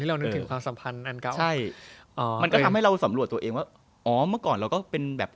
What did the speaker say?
เคยเป็นเปล่า